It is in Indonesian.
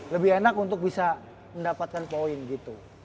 lebih enak untuk bisa mendapatkan poin gitu